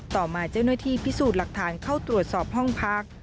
ต่อมาเจ้าหน้าที่พิสูจน์หลักฐานเข้าตรวจสอบห้องพัก